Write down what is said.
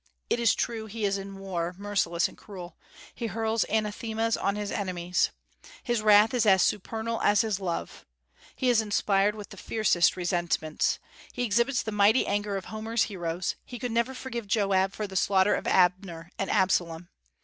It is true he is in war merciless and cruel; he hurls anathemas on his enemies. His wrath is as supernal as his love; he is inspired with the fiercest resentments; he exhibits the mighty anger of Homer's heroes; he never could forgive Joab for the slaughter of Abner and Absalom.